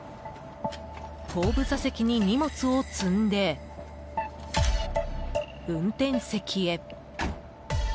後部座席に荷物を積んで運転席へ。